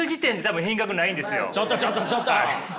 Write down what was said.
ちょっとちょっとちょっと！